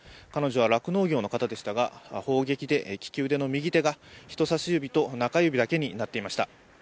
彼女は酪農業の方でしたが砲撃で利き腕の右手が人差し指と中指だけになっていました。